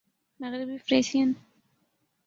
مغربی فریسیئن